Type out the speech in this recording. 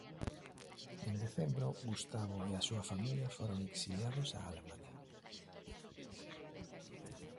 En decembro Gustavo e a súa familia foron exiliados a Alemaña.